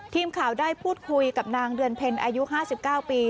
ทีมข่าวได้พูดคุยกับนางเดือนเพ็ญอายุ๕๙ปี